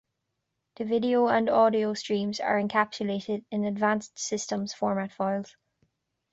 The video and audio streams are encapsulated in Advanced Systems Format files.